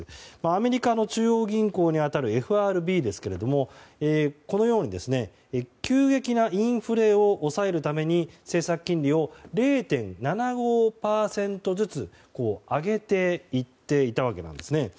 アメリカの中央銀行に当たるＦＲＢですがこのように急激なインフレを抑えるために政策金利を０．７５％ずつ上げていっていたわけですね。